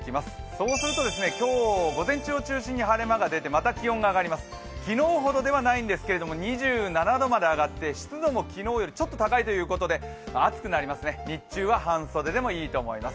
そうすると今日午前中を中心に晴れ間が出てまた気温が上がります昨日ほどではないんですが２７度まで上がって湿度も昨日よりちょっと高いということで暑くなりますね、日中は半袖でもいいと思います。